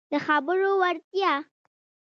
د خبرو وړتیا